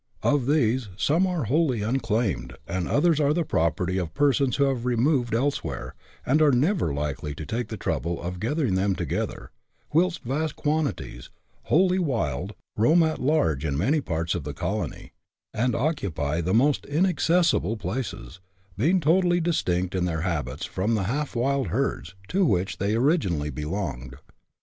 Of these some are wholly unclaimed, and others are the property of persons who have removed elsewhere, and are never likely to take the trouble of gathering them together, whilst vast quanti ties, wholly wild, roam at large in many parts of the colony, and occupy the most inaccessible places, being totally distinct in their habits from the half wild herds, to which they originally belonged.